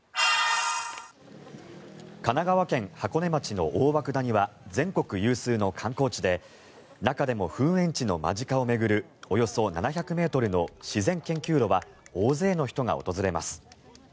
神奈川県箱根町の大涌谷は全国有数の観光地で中でも噴煙地の間近を巡るおよそ７００ｍの自然研究路は大勢の人が訪れます。